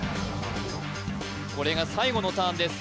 これが最後のターンです